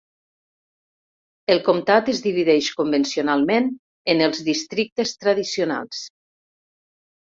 El comtat es divideix convencionalment en els districtes tradicionals.